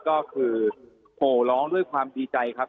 ก็คือโหร้องด้วยความดีใจครับ